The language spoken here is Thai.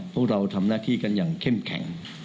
พวกเราทำหน้าที่กันอย่างเข้มแข็ง